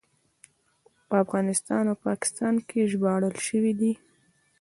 په افغانستان او پاکستان کې ژباړل شوی دی.